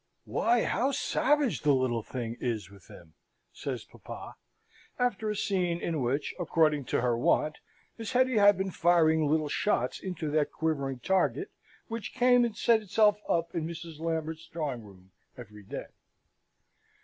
"Why, how savage the little thing is with him!" says papa, after a scene in which, according to her wont, Miss Hetty had been firing little shots into that quivering target which came and set itself up in Mrs. Lambert's drawing room every day.